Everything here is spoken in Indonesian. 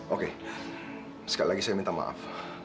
oke sekali lagi saya minta maaf